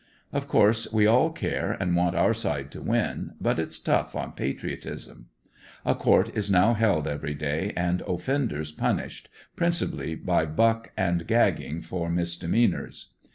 Of course, we all care and want our side to win, but it's tough on patriotism. A court is now held every day and offenders punished, principally by buck and gagging, for misdemeanors.